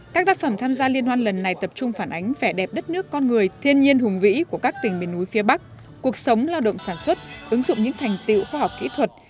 các tác phẩm tham gia liên hoan lần này tập trung phản ánh vẻ đẹp đất nước con người thiên nhiên hùng vĩ của các tỉnh miền núi phía bắc cuộc sống lao động sản xuất ứng dụng những thành tiệu khoa học kỹ thuật